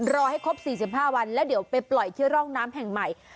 รอให้ครบ๔๕วันแล้วเดี๋ยวไปปล่อยที่ร่องน้ำแห่งใหม่